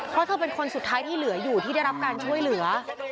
เพราะเธอเป็นคนสุดท้ายที่เหลืออยู่ที่ได้รับการช่วยเหลือ